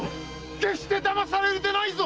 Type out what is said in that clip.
決して騙されるでないぞ！